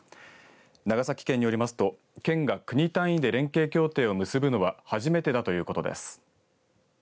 長崎県によりますと県が国単位で連携協定を結ぶのは初めてだということです。